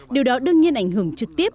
điều đó đương nhiên ảnh hưởng trực tiếp